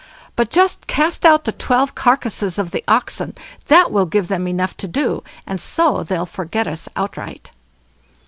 But just cast out the twelve carcasses of the oxen, that will give them enough to do, and so they'll forget us outright."